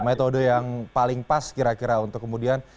metode yang paling pas kira kira untuk kemudian